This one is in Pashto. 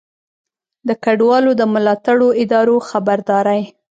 د کډوالو د ملاتړو ادارو خبرداری